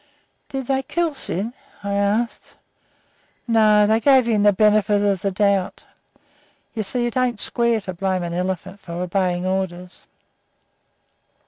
"Did they kill Syd?" I asked. "No; they gave him the benefit of the doubt. You see, it ain't square to blame an elephant for obeying orders."